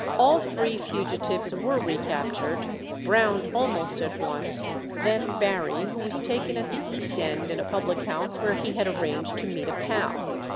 All three fugitives were recaptured, Brown almost at once; then Barry, who was taken at the East End in a public house where he had arranged to meet a pal.